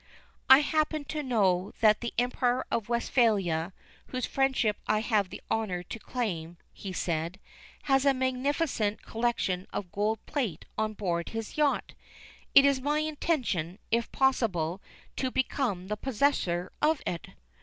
"I happen to know that the Emperor of Westphalia, whose friendship I have the honor to claim," he said, "has a magnificent collection of gold plate on board his yacht. It is my intention, if possible, to become the possessor of it."